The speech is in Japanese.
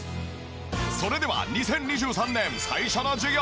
それでは２０２３年最初の授業。